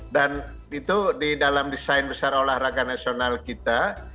dan itu di dalam desain besar olahraga nasional kita